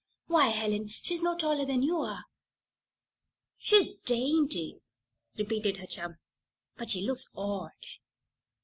Why, Helen, she's no taller than you are." "She's dainty," repeated her chum. "But she looks odd."